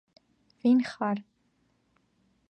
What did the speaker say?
ვინ ხარ?